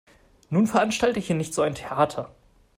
Nun veranstalte hier nicht so ein Theater.